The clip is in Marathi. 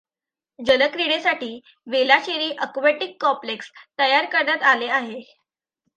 जलक्रिडेसाठी वेलाचेरी अक्व्येटिक कॉम्प्लेक्स तयार करण्यात आले आहे.